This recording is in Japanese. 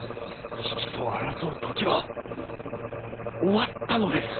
比企と争う時は終わったのです。